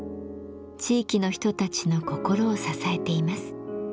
地域の人たちの心を支えています。